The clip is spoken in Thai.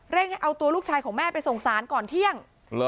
ให้เอาตัวลูกชายของแม่ไปส่งสารก่อนเที่ยง